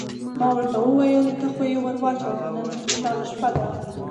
ما ورته وویل: ته خو یې ور واچوه، نن مو خوشحاله شپه ده.